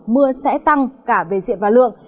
mưa sẽ tăng cả về diện và lượng